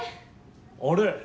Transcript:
あれ？